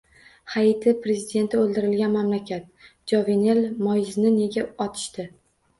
Haiti – prezidenti o‘ldirilgan mamlakat. Jovenel Moizni nega otishdi?